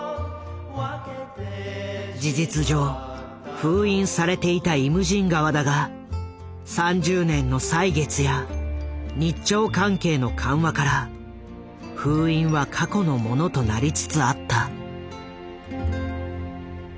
事実上封印されていた「イムジン河」だが３０年の歳月や日朝関係の緩和から封印は過去のものとなりつつあった。